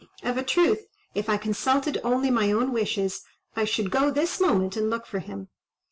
Of a truth, if I consulted only my own wishes, I should go this moment and look for him."